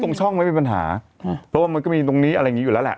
ตรงช่องไม่มีปัญหาเพราะว่ามันก็มีตรงนี้อะไรอย่างงี้อยู่แล้วแหละ